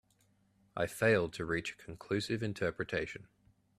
I failed to reach a conclusive interpretation.